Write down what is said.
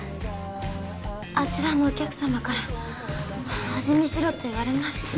あちらのお客様から味見しろと言われまして。